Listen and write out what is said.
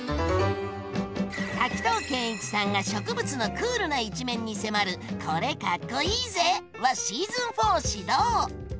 滝藤賢一さんが植物のクールな一面に迫る「これ、かっこイイぜ！」はシーズン４始動！